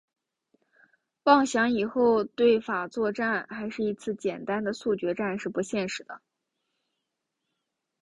妄想以后对法作战还是一次简单的速决战是不现实的。